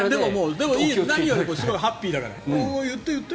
でも、何よりもすごいハッピーだから。